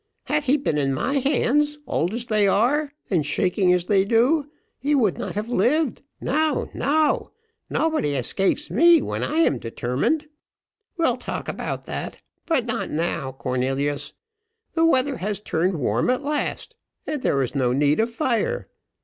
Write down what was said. had he been in my hands, old as they are, and shaking as they do, he would not have lived; no, no nobody escapes me when I am determined. We'll talk about that, but not now, Cornelius; the weather has turned warm at last, and there is no need of fire.